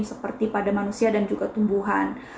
seperti pada manusia dan juga tumbuhan